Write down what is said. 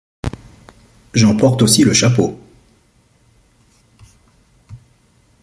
J'emporte aussi le chapeau.